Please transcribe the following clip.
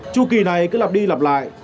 chu kỳ này cứ lặp đi lặp lại